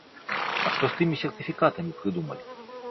А што з тымі сертыфікатамі прыдумалі?